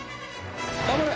頑張れ！